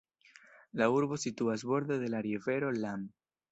La urbo situas borde de la rivero Lahn.